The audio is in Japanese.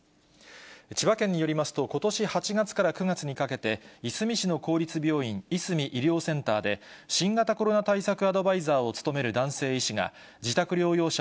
千葉県によりますと、ことし８月から９月にかけて、いすみ市の公立病院、いすみ医療センターで、新型コロナ対策アドバイザーを務める男性医師が、自宅療養者